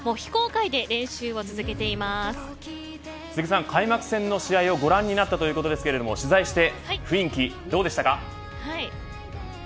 そして今鈴木さん、開幕戦の試合をご覧になったということですが取材して雰囲気いかがでしたか。